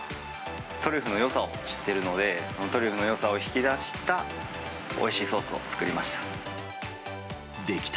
トリュフのよさを知っているので、そのトリュフのよさを引き出したおいしいソースを作りました。